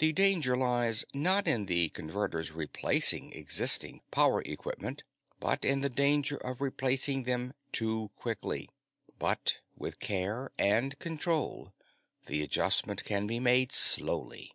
The danger lies, not in the Converter's replacing existing power equipment, but in the danger of its replacing them too quickly. But with care and control, the adjustment can be made slowly.